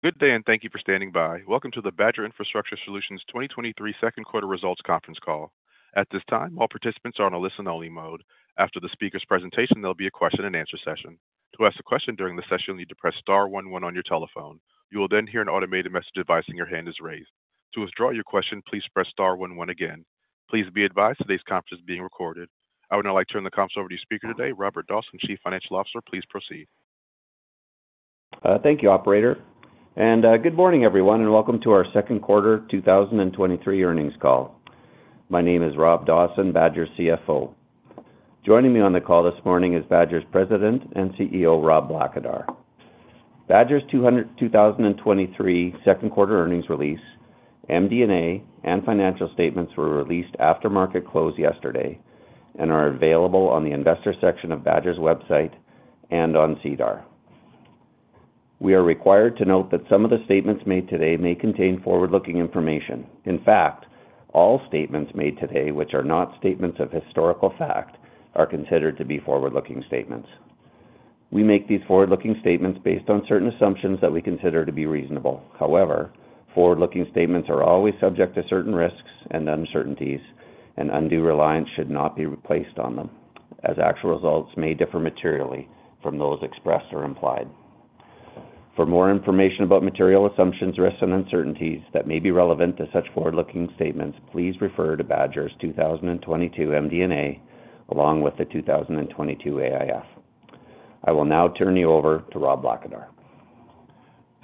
Good day. Thank you for standing by. Welcome to the Badger Infrastructure Solutions 2023 Q2 results conference call. At this time, all participants are on a listen-only mode. After the speaker's presentation, there'll be a question-and-answer session. To ask a question during the session, you need to press star one one on your telephone. You will hear an automated message advising your hand is raised. To withdraw your question, please press star one one again. Please be advised today's conference is being recorded. I would now like to turn the conference over to your speaker today, Robert Dawson, Chief Financial Officer. Please proceed. Thank you, operator. Good morning, everyone, and welcome to our Q2 2023 earnings call. My name is Rob Dawson, Badger CFO. Joining me on the call this morning is Badger's President and CEO, Rob Blackadar. Badger's 2023 Q2 earnings release, MD&A, and financial statements were released after market close yesterday and are available on the investor section of Badger's website and on SEDAR. We are required to note that some of the statements made today may contain forward-looking information. In fact, all statements made today, which are not statements of historical fact, are considered to be forward-looking statements. We make these forward-looking statements based on certain assumptions that we consider to be reasonable. However, forward-looking statements are always subject to certain risks and uncertainties, and undue reliance should not be placed on them, as actual results may differ materially from those expressed or implied. For more information about material assumptions, risks, and uncertainties that may be relevant to such forward-looking statements, please refer to Badger's 2022 MD&A, along with the 2022 AIF. I will now turn you over to Rob Blackadar.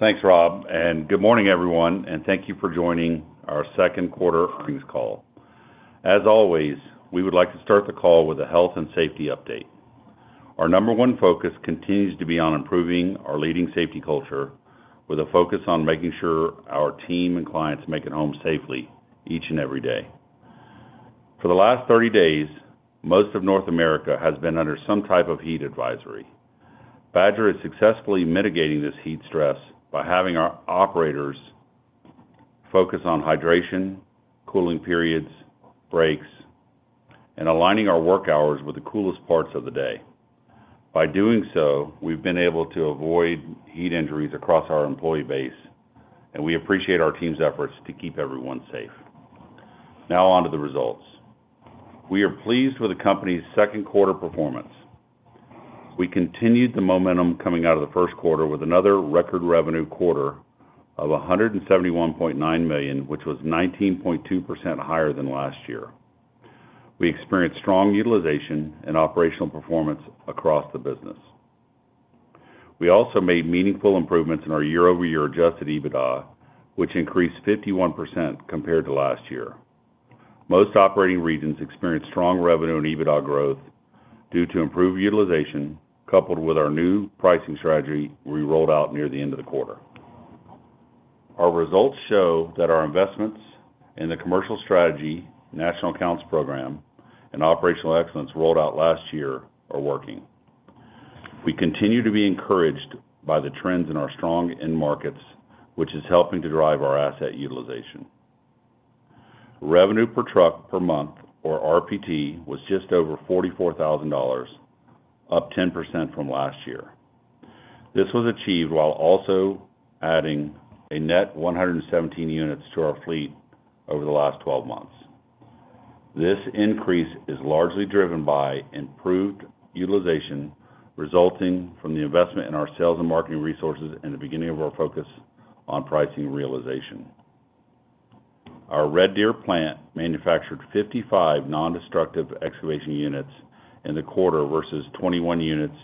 Thanks, Rob, good morning, everyone, and thank you for joining our Q2 earnings call. As always, we would like to start the call with a health and safety update. Our number one focus continues to be on improving our leading safety culture, with a focus on making sure our team and clients make it home safely each and every day. For the last 30 days, most of North America has been under some type of heat advisory. Badger is successfully mitigating this heat stress by having our operators focus on hydration, cooling periods, breaks, and aligning our work hours with the coolest parts of the day. By doing so, we've been able to avoid heat injuries across our employee base, we appreciate our team's efforts to keep everyone safe. Now on to the results. We are pleased with the company's Q2 performance. We continued the momentum coming out of the first quarter with another record revenue quarter of $171.9 million, which was 19.2% higher than last year. We experienced strong utilization and operational performance across the business. We also made meaningful improvements in our year-over-year Adjusted EBITDA, which increased 51% compared to last year. Most operating regions experienced strong revenue and EBITDA growth due to improved utilization, coupled with our new pricing strategy we rolled out near the end of the quarter. Our results show that our investments in the commercial strategy, national accounts program, and operational excellence rolled out last year are working. We continue to be encouraged by the trends in our strong end markets, which is helping to drive our asset utilization. Revenue per truck per month, or RPT, was just over $44,000, up 10% from last year. This was achieved while also adding a net 117 units to our fleet over the last 12 months. This increase is largely driven by improved utilization, resulting from the investment in our sales and marketing resources and the beginning of our focus on pricing realization. Our Red Deer plant manufactured 55 non-destructive excavation units in the quarter versus 21 units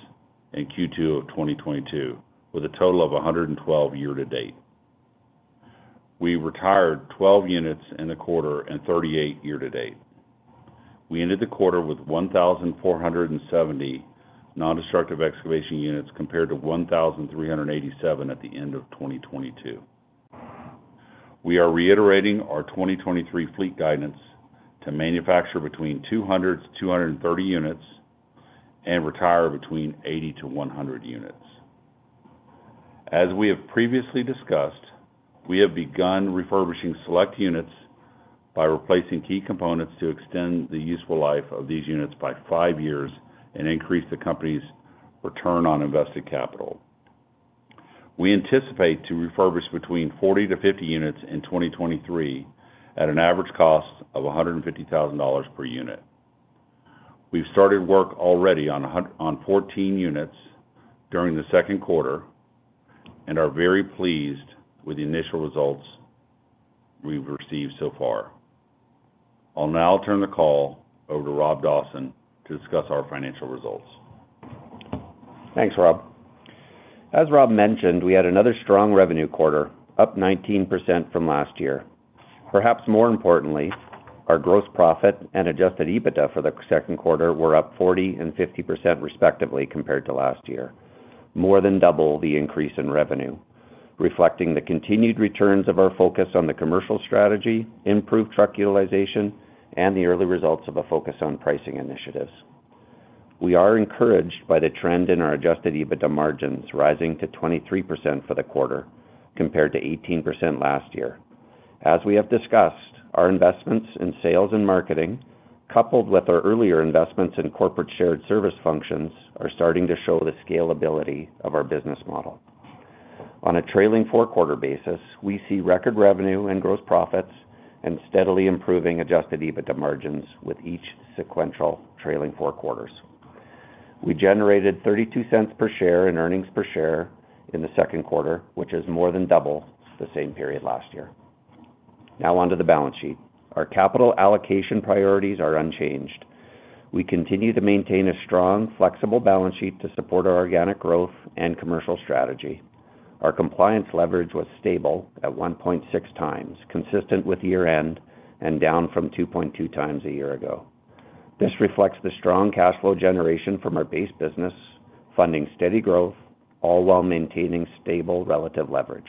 in Q2 of 2022, with a total of 112 year to date. We retired 12 units in the quarter and 38 year to date. We ended the quarter with 1,470 non-destructive excavation units, compared to 1,387 at the end of 2022. We are reiterating our 2023 fleet guidance to manufacture between 200-230 units and retire between 80-100 units. As we have previously discussed, we have begun refurbishing select units by replacing key components to extend the useful life of these units by five years and increase the company's return on invested capital. We anticipate to refurbish between 40-50 units in 2023 at an average cost of $150,000 per unit. We've started work already on 14 units during the Q2 and are very pleased with the initial results we've received so far. I'll now turn the call over to Rob Dawson to discuss our financial results. Thanks, Rob. As Rob mentioned, we had another strong revenue quarter, up 19% from last year. Perhaps more importantly, our gross profit and Adjusted EBITDA for the Q2 were up 40% and 50%, respectively, compared to last year, more than double the increase in revenue, reflecting the continued returns of our focus on the commercial strategy, improved truck utilization, and the early results of a focus on pricing initiatives. We are encouraged by the trend in our Adjusted EBITDA margins rising to 23% for the quarter, compared to 18% last year. As we have discussed, our investments in sales and marketing, coupled with our earlier investments in corporate shared service functions, are starting to show the scalability of our business model. On a trailing four-quarter basis, we see record revenue and gross profits, and steadily improving Adjusted EBITDA margins with each sequential trailing four quarters. We generated 0.32 per share in earnings per share in the Q2, which is more than double the same period last year. On to the balance sheet. Our capital allocation priorities are unchanged. We continue to maintain a strong, flexible balance sheet to support our organic growth and commercial strategy. Our compliance leverage was stable at 1.6x, consistent with year-end and down from 2.2x a year ago. This reflects the strong cash flow generation from our base business, funding steady growth, all while maintaining stable relative leverage.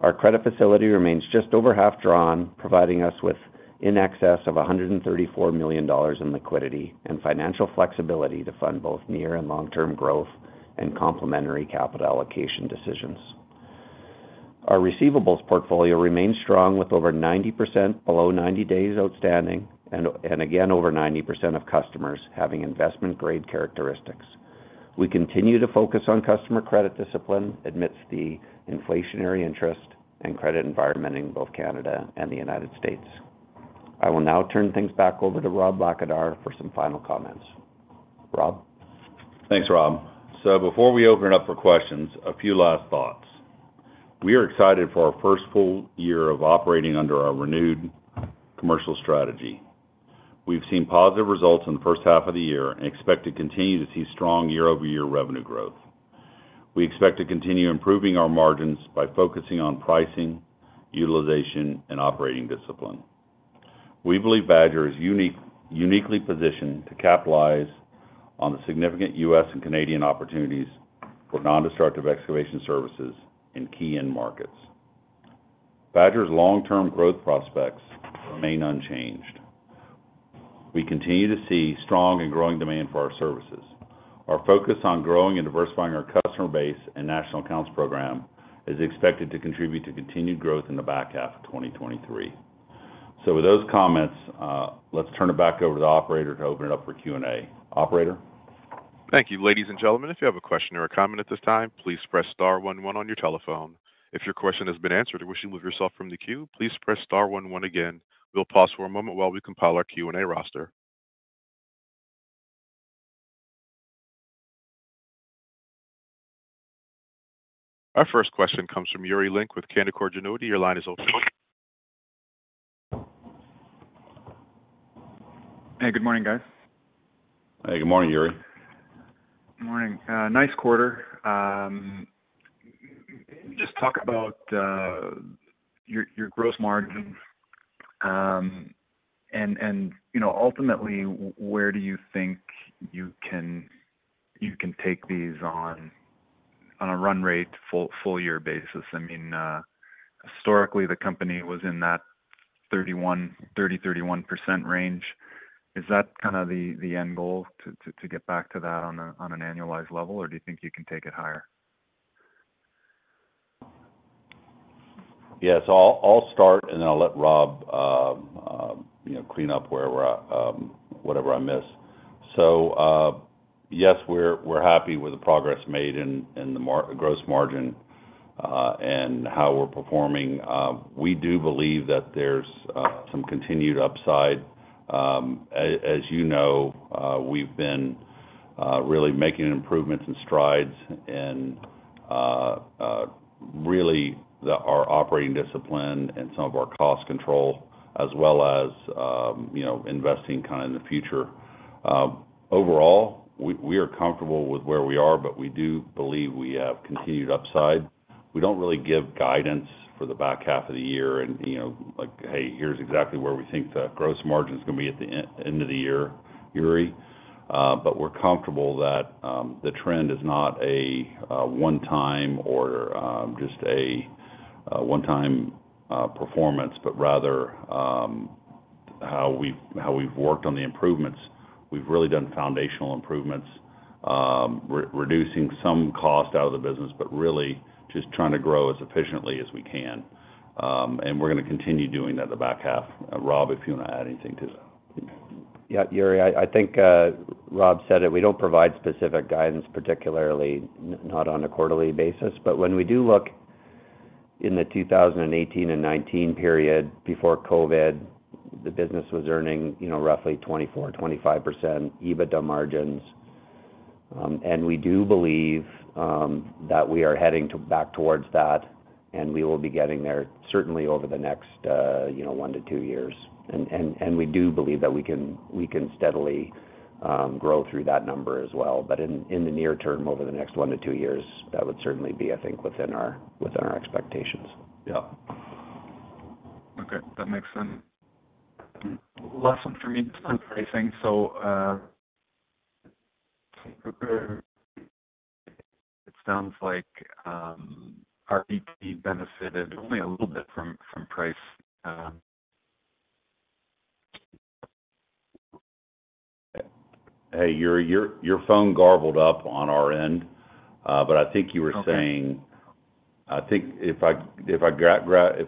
Our credit facility remains just over half drawn, providing us with in excess of 134 million dollars in liquidity and financial flexibility to fund both near and long-term growth and complementary capital allocation decisions. Our receivables portfolio remains strong, with over 90% below 90 days outstanding, and again, over 90% of customers having investment-grade characteristics. We continue to focus on customer credit discipline amidst the inflationary interest and credit environment in both Canada and the United States. I will now turn things back over to Rob Blackadar for some final comments. Rob? Thanks, Rob. Before we open it up for questions, a few last thoughts. We are excited for our first full year of operating under our renewed commercial strategy. We've seen positive results in the first half of the year and expect to continue to see strong year-over-year revenue growth. We expect to continue improving our margins by focusing on pricing, utilization, and operating discipline. We believe Badger is uniquely positioned to capitalize on the significant U.S. and Canadian opportunities for non-destructive excavation services in key end markets. Badger's long-term growth prospects remain unchanged. We continue to see strong and growing demand for our services. Our focus on growing and diversifying our customer base and national accounts program is expected to contribute to continued growth in the back half of 2023. With those comments, let's turn it back over to the operator to open it up for Q&A. Operator? Thank you, ladies and gentlemen. If you have a question or a comment at this time, please press star one one on your telephone. If your question has been answered or wish to remove yourself from the queue, please press star one one again. We'll pause for a moment while we compile our Q&A roster. Our first question comes from Yuri Lynk with Canaccord Genuity. Your line is open. Hey, good morning, guys. Hey, good morning, Yuri. Good morning. Nice quarter. Just talk about your gross margins. You know, ultimately, where do you think you can take these on a run rate full year basis? I mean, historically, the company was in that 30%-31% range. Is that kind of the end goal to get back to that on an annualized level, or do you think you can take it higher? Yes, I'll, I'll start, and then I'll let Rob, you know, clean up wherever, whatever I miss. Yes, we're, we're happy with the progress made in, in the gross margin, and how we're performing. We do believe that there's some continued upside. As you know, we've been really making improvements and strides in really, the, our operating discipline and some of our cost control, as well as, you know, investing kind of in the future. Overall, we, we are comfortable with where we are, but we do believe we have continued upside. We don't really give guidance for the back half of the year and, you know, like, Hey, here's exactly where we think the gross margin is gonna be at the end, end of the year, Yuri. We're comfortable that the trend is not a one time or just a one-time performance, but rather how we've, how we've worked on the improvements. We've really done foundational improvements, reducing some cost out of the business, but really just trying to grow as efficiently as we can. We're gonna continue doing that in the back half. Rob, if you want to add anything to that. Yeah, Yuri, I, I think Rob said it. We don't provide specific guidance, particularly not on a quarterly basis. When we do look in the 2018 and 2019 period before COVID, the business was earning, you know, roughly 24%-25% EBITDA margins. We do believe that we are heading back towards that, and we will be getting there certainly over the next, you know, one to two years. We do believe that we can, we can steadily grow through that number as well. In the near term, over the next one to two years, that would certainly be, I think, within our, within our expectations. Yeah. Okay, that makes sense. Last one for me, just on pricing. It sounds like RPT benefited only a little bit from, from price. Hey, your, your, your phone garbled up on our end, but I think you were saying. Okay. I think if I, if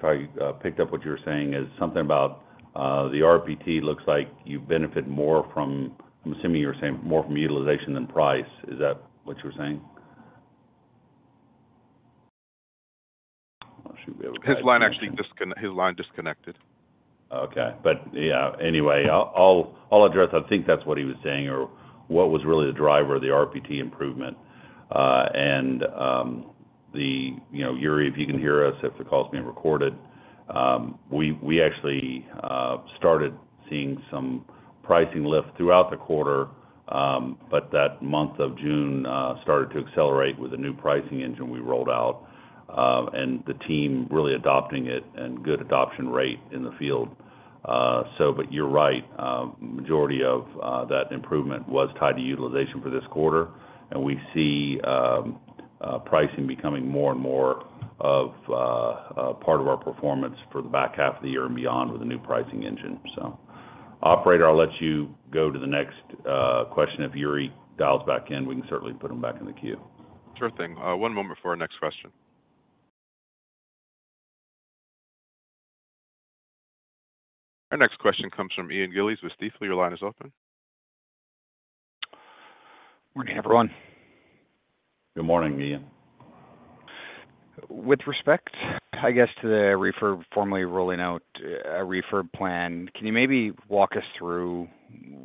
I picked up what you were saying, is something about the RPT looks like you benefit more from, i'm assuming you were saying more from utilization than price. Is that what you were saying? Should we have. His line actually his line disconnected. Okay. I'll address. I think that's what he was saying, or what was really the driver of the RPT improvement. You know, Yuri, if you can hear us, if the call is being recorded, we actually started seeing some pricing lift throughout the quarter. That month of June started to accelerate with a new pricing engine we rolled out, and the team really adopting it and good adoption rate in the field. You're right, majority of that improvement was tied to utilization for this quarter, and we see pricing becoming more and more of part of our performance for the back half of the year and beyond with a new pricing engine. Operator, I'll let you go to the next question. If Yuri dials back in, we can certainly put him back in the queue. Sure thing. One moment for our next question. Our next question comes from Ian Gillies with Stifel. Your line is open. Morning, everyone. Good morning, Ian. With respect, I guess, to the refurb, formally rolling out a refurb plan, can you maybe walk us through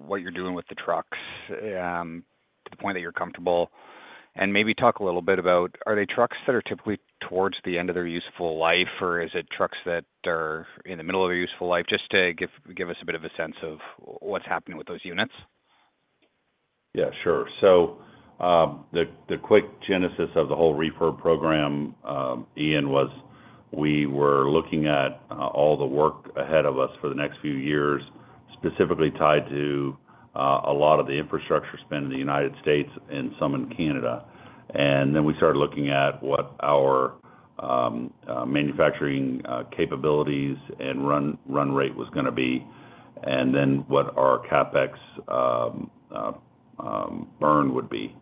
what you're doing with the trucks to the point that you're comfortable? Maybe talk a little bit about, are they trucks that are typically towards the end of their useful life, or is it trucks that are in the middle of their useful life? Just to give us a bit of a sense of what's happening with those units. Yeah, sure. The, the quick genesis of the whole refurb program, Ian, was we were looking at all the work ahead of us for the next few years, specifically tied to a lot of the infrastructure spend in the United States and some in Canada. Then we started looking at what our manufacturing capabilities and run, run rate was gonna be, and then what our CapEx burn would be.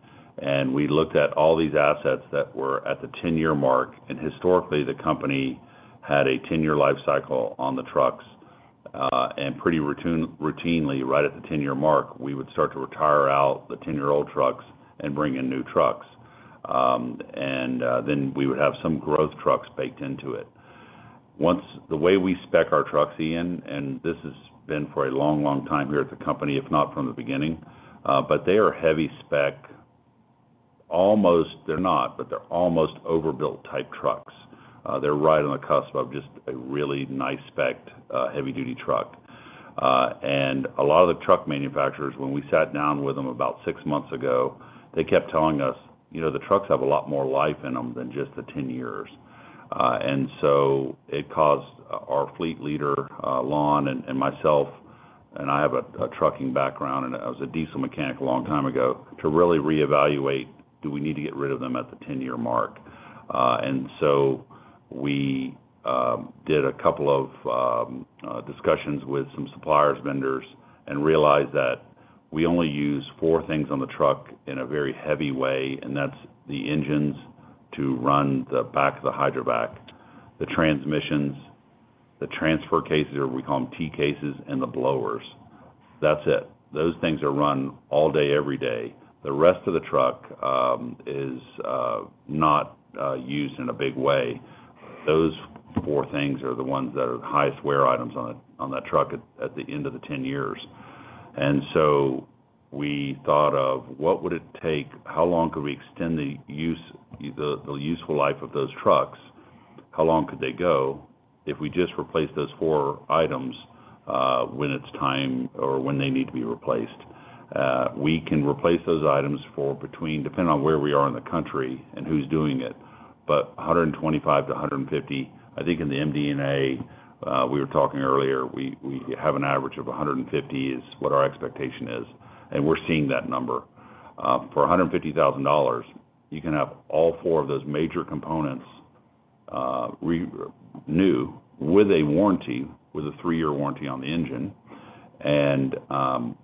We looked at all these assets that were at the 10-year mark, and historically, the company had a 10-year life cycle on the trucks. And pretty routinely, right at the 10-year mark, we would start to retire out the 10-year-old trucks and bring in new trucks. And, then we would have some growth trucks baked into it. Once. The way we spec our trucks, Ian, and this has been for a long, long time here at the company, if not from the beginning, but they are heavy spec. Almost, they're not, but they're almost overbuilt type trucks. They're right on the cusp of just a really nice spec-ed, heavy duty truck. A lot of the truck manufacturers, when we sat down with them about 6 months ago, they kept telling us, You know, the trucks have a lot more life in them than just the 10 years. It caused our fleet leader, Lon and, and myself, and I have a, a trucking background, and I was a diesel mechanic a long time ago, to really reevaluate, do we need to get rid of them at the 10 year mark? We did a couple of discussions with some suppliers, vendors, and realized that we only use four things on the truck in a very heavy way, and that's the engines to run the back of the Hydrovac, the transmissions, the transfer cases, or we call them T cases, and the blowers. That's it. Those things are run all day, every day. The rest of the truck is not used in a big way. Those four things are the ones that are the highest wear items on that truck at the end of the 10 years. We thought of what would it take? How long could we extend the use, the useful life of those trucks? How long could they go if we just replaced those four items when it's time or when they need to be replaced? We can replace those items for between, depending on where we are in the country and who's doing it, but $125 to $150. I think in the MD&A, we were talking earlier, we, we have an average of $150, is what our expectation is, and we're seeing that number. For $150,000, you can have all four of those major components new, with a warranty, with a three year warranty on the engine, and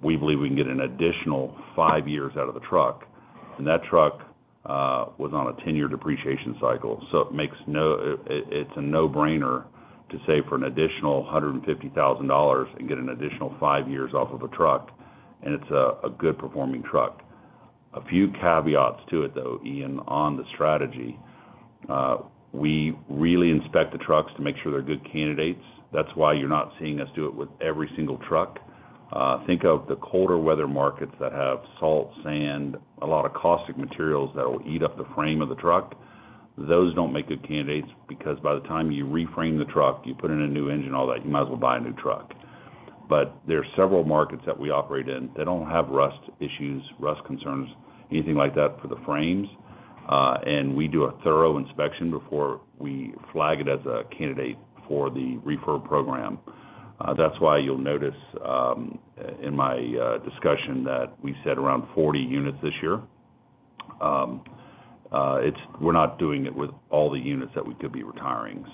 we believe we can get an additional five years out of the truck. That truck was on a 10-year depreciation cycle, so it's a no-brainer to say for an additional $150,000 and get an additional five years off of a truck, and it's a good performing truck. A few caveats to it, though, Ian, on the strategy. We really inspect the trucks to make sure they're good candidates. That's why you're not seeing us do it with every single truck. Think of the colder weather markets that have salt, sand, a lot of caustic materials that will eat up the frame of the truck. Those don't make good candidates, because by the time you reframe the truck, you put in a new engine, all that, you might as well buy a new truck. There are several markets that we operate in that don't have rust issues, rust concerns, anything like that, for the frames, and we do a thorough inspection before we flag it as a candidate for the refurb program. That's why you'll notice in my discussion that we said around 40 units this year. It's we're not doing it with all the units that we could be retiring.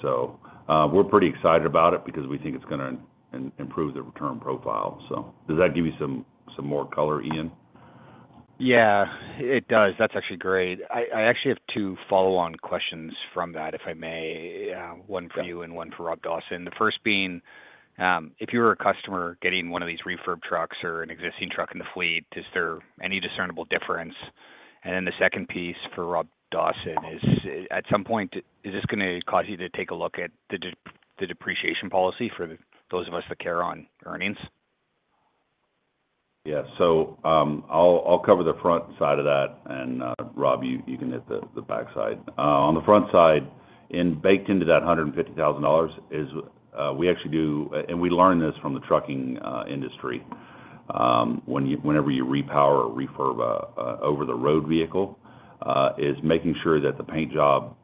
We're pretty excited about it because we think it's gonna im-improve the return profile. Does that give you some, some more color, Ian? Yeah, it does. That's actually great. I, I actually have two follow-on questions from that, if I may, one for you, Yeah. One for Rob Dawson. The first being, if you were a customer getting one of these refurb trucks or an existing truck in the fleet, is there any discernible difference? The second piece for Rob Dawson is: At some point, is this gonna cause you to take a look at the depreciation policy for those of us that care on earnings? Yeah. I'll, I'll cover the front side of that, and Rob, you, you can hit the backside. On the front side, in baked into that $150,000 is, we actually do, and we learned this from the trucking industry, when you, whenever you repower or refurb a, a over-the-road vehicle, is making sure that the paint job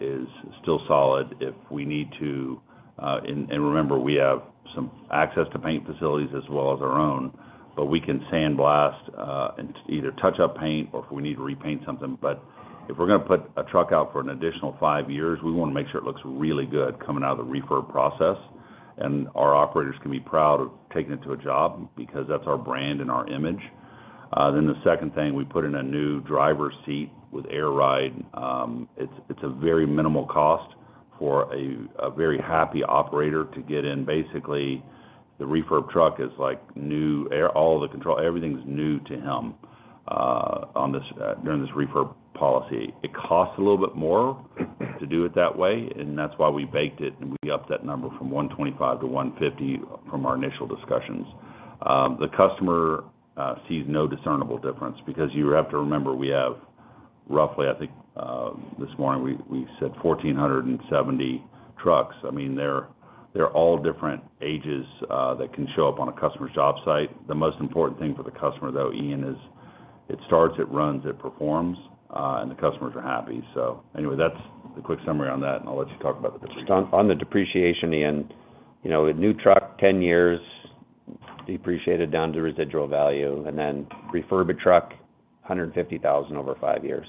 is still solid. If we need to, and, and remember, we have some access to paint facilities as well as our own, but we can sandblast, and either touch-up paint or if we need to repaint something. If we're gonna put a truck out for an additional five years, we wanna make sure it looks really good coming out of the refurb process, and our operators can be proud of taking it to a job, because that's our brand and our image. Then the second thing, we put in a new driver's seat with air ride. It's, it's a very minimal cost for a, a very happy operator to get in. Basically, the refurb truck is like new. All the control, everything's new to him during this refurb policy. It costs a little bit more to do it that way, and that's why we baked it, and we upped that number from $125 to $150 from our initial discussions. The customer sees no discernible difference because you have to remember, we have roughly this morning 1,470 trucks. They're all different ages that can show up on a customer's job site. The most important thing for the customer, though, Ian, is it starts, it runs, it performs, and the customers are happy. That's the quick summary on that, and I'll let you talk about the depreciation. On, on the depreciation, Ian, you know, a new truck, 10 years, depreciated down to residual value, and then refurb a truck, 150,000 over five years.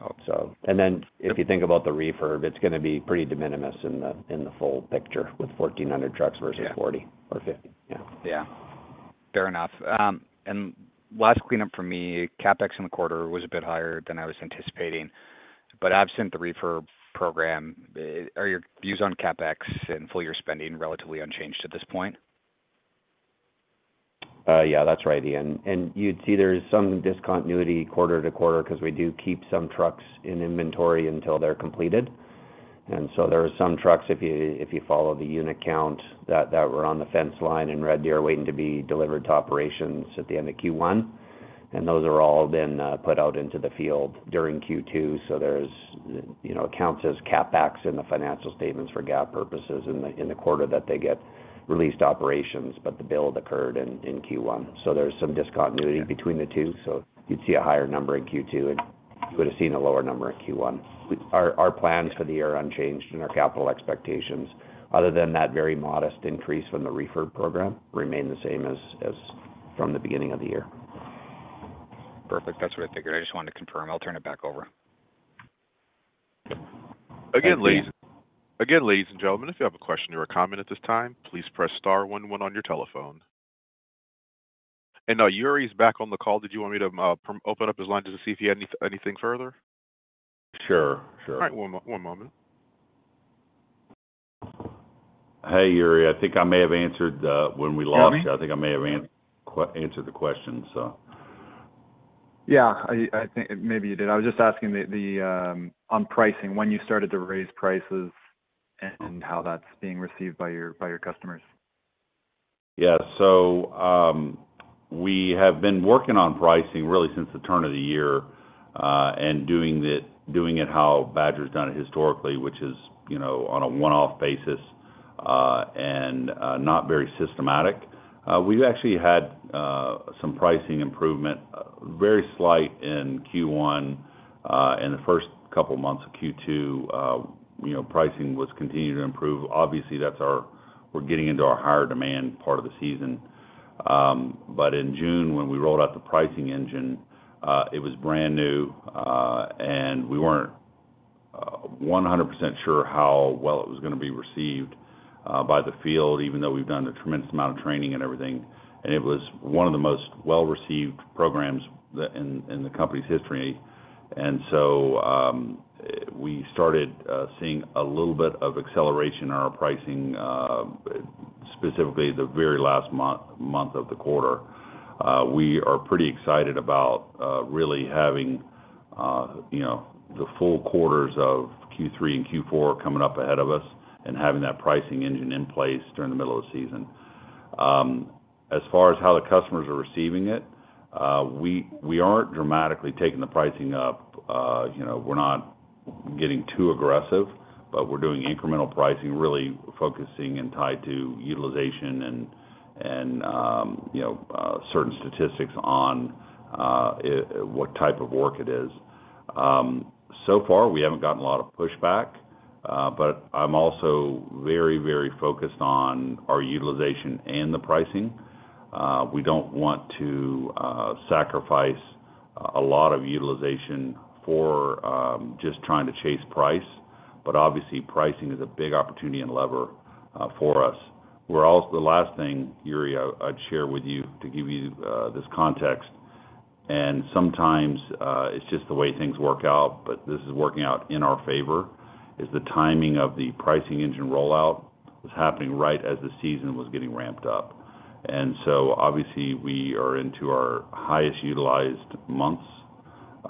Okay. If you think about the refurb, it's gonna be pretty de minimis in the, in the full picture with 1,400 trucks versus. Yeah. 40 or 50. Yeah. Yeah. Fair enough. Last cleanup for me, CapEx in the quarter was a bit higher than I was anticipating, but absent the refurb program, are your views on CapEx and full year spending relatively unchanged at this point? Yeah, that's right, Ian. You'd see there is some discontinuity quarter to quarter 'cause we do keep some trucks in inventory until they're completed. So there are some trucks, if you, if you follow the unit count, that, that were on the fence line in Red Deer, waiting to be delivered to operations at the end of Q1. Those are all then put out into the field during Q2, so there's, you know, accounts as CapEx in the financial statements for GAAP purposes in the, in the quarter that they get released to operations, but the build occurred in, in Q1. There's some discontinuity between the two. Yeah. You'd see a higher number in Q2, and you would've seen a lower number in Q1. Our plans for the year are unchanged, and our capital expectations, other than that very modest increase from the refurb program, remain the same as, as from the beginning of the year. Perfect. That's what I figured. I just wanted to confirm. I'll turn it back over. Again, Again, ladies and gentlemen, if you have a question or a comment at this time, please press star one one on your telephone. Yuri is back on the call. Did you want me to open up his line just to see if he had any, anything further? Sure, sure. All right. One moment. Hey, Yuri, I think I may have answered, when we lost you. You hear me? I think I may have answered the question. Yeah, I, I think maybe you did. I was just asking the, the, on pricing, when you started to raise prices and, and how that's being received by your, by your customers. Yeah. We have been working on pricing really since the turn of the year, and doing it, doing it how Badger's done it historically, which is, you know, on a one-off basis, and not very systematic. We've actually had some pricing improvement, very slight in Q1. In the first couple of months of Q2, you know, pricing was continuing to improve. Obviously, that's our, we're getting into our higher demand part of the season. In June, when we rolled out the pricing engine, it was brand new, and we weren't 100% sure how well it was gonna be received by the field, even though we've done a tremendous amount of training and everything. It was one of the most well-received programs in the company's history. We started seeing a little bit of acceleration in our pricing, specifically the very last month, month of the quarter. We are pretty excited about really having, you know, the full quarters of Q3 and Q4 coming up ahead of us and having that pricing engine in place during the middle of the season. As far as how the customers are receiving it, we, we aren't dramatically taking the pricing up. You know, we're not getting too aggressive, but we're doing incremental pricing, really focusing and tied to utilization and, and, you know, certain statistics on what type of work it is. So far, we haven't gotten a lot of pushback, but I'm also very, very focused on our utilization and the pricing. We don't want to sacrifice a lot of utilization for just trying to chase price. Obviously, pricing is a big opportunity and lever for us. The last thing, Yuri, I'd share with you to give you this context, and sometimes, it's just the way things work out, but this is working out in our favor, is the timing of the pricing engine rollout is happening right as the season was getting ramped up. Obviously, we are into our highest utilized months,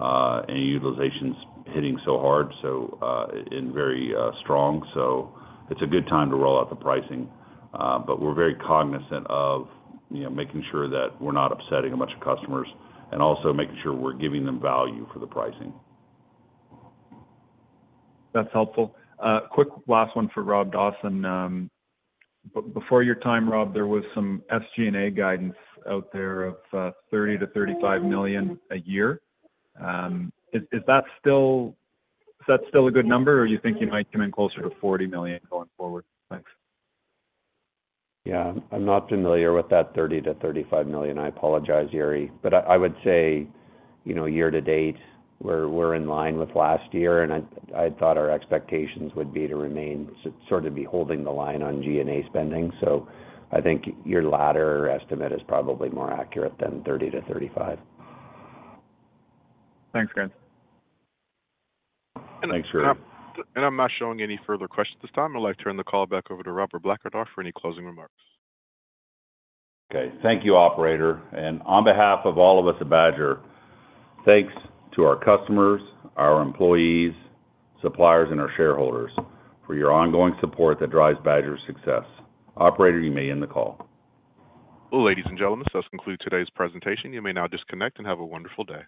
and utilization's hitting so hard, so and very strong. It's a good time to roll out the pricing, but we're very cognizant of, you know, making sure that we're not upsetting a bunch of customers, and also making sure we're giving them value for the pricing. That's helpful. Quick last one for Rob Dawson. Before your time, Rob, there was some SG&A guidance out there of 30 million-35 million a year. Is that still a good number, or you think you might come in closer to 40 million going forward? Thanks. Yeah, I'm not familiar with that $30 million-$35 million. I apologize, Yuri. I, I would say, you know, year to date, we're, we're in line with last year, and I, I thought our expectations would be to remain sort of be holding the line on G&A spending. I think your latter estimate is probably more accurate than $30 million-$35 million. Thanks, guys. Thanks, Yuri. I'm not showing any further questions at this time. I'd like to turn the call back over to Rob Blackad for any closing remarks. Okay, thank you, operator. On behalf of all of us at Badger, thanks to our customers, our employees, suppliers, and our shareholders for your ongoing support that drives Badger's success. Operator, you may end the call. Well, ladies and gentlemen, this concludes today's presentation. You may now disconnect and have a wonderful day.